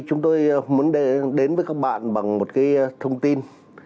chúng tôi muốn đến với các bạn bằng một cái thông tin